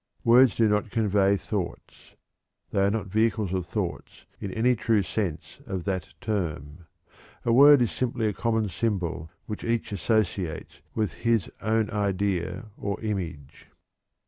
Words do not convey thoughts; they are not vehicles of thoughts in any true sense of that term. A word is simply a common symbol which each associates with his own idea or image."